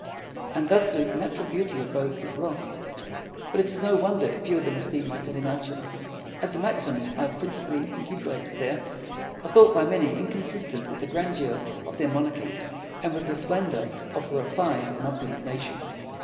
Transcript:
And thus the natural beauty of both is lost. But it is no wonder if few of them esteem my "Telemachus," as the maxims I have principally inculcated there are thought by many inconsistent with the grandeur of their monarchy, and with the splendour of a refined and opulent nation.